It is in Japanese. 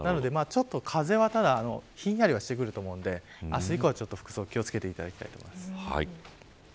風はただ、ひんやりしてくると思うんで、明日以降は服装に気を付けてほしいと思います。